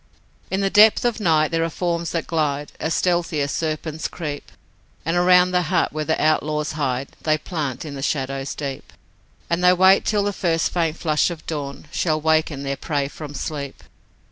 In the depth of night there are forms that glide As stealthy as serpents creep, And around the hut where the outlaws hide They plant in the shadows deep, And they wait till the first faint flush of dawn Shall waken their prey from sleep.